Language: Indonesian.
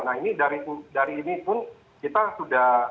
nah ini dari ini pun kita sudah